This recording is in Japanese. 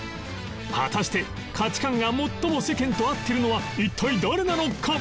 果たして価値観が最も世間と合ってるのは一体誰なのか？